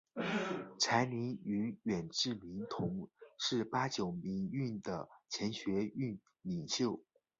柴玲与远志明同是八九民运的前学运领袖。